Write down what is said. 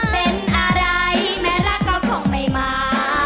เป็นอะไรแม่รักก็คงไม่มา